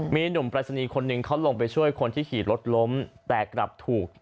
มีหนุ่มปรายศนีย์คนหนึ่งเขาลงไปช่วยคนที่ขี่รถล้มแต่กลับถูก